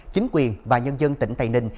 chính quyền và nhân dân tỉnh tây ninh